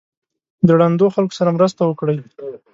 د ړندو خلکو سره مرسته وکړئ.